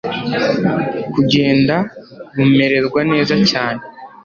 kugenda bumererwa neza cyane